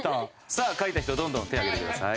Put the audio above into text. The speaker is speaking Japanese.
さあ書いた人どんどん手を挙げてください。